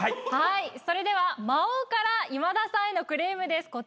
はいそれでは魔王から今田さんへのクレームです。